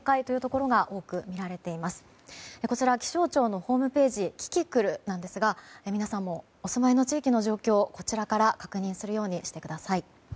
こちら、気象庁のホームページキキクルなんですが皆さんもお住まいの地域の状況をこちらから確認するようにしてください。